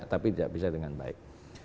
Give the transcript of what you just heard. tapi tidak bisa dengan baik